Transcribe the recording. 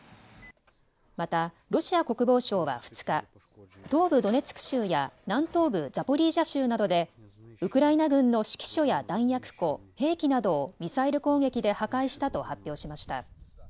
またロシア国防省は２日、東部ドネツク州や南東部ザポリージャ州などでウクライナ軍の指揮所や弾薬庫、兵器などをミサイル攻撃で破壊したと発表しました。